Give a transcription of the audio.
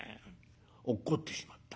落っこってしまった。